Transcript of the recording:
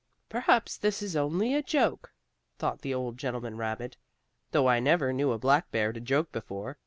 "Perhaps this is only a joke," thought the old gentleman rabbit, "though I never knew a black bear to joke before.